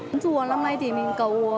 lễ chùa năm nay thì mình cầu